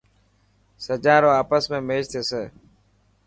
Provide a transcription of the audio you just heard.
سجان رو آپس ۾ ميچ ٿيسي.